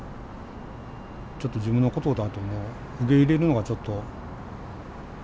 ちょっと自分のことだと受け入れるのがちょっと。